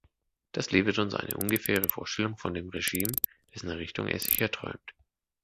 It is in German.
Das liefert uns eine ungefähre Vorstellung von dem Regime, dessen Errichtung er sich erträumt.